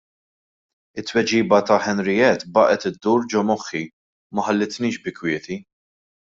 It-tweġiba ta' Henriette baqgħet iddur ġo moħħi u ma ħallitnix bi kwieti.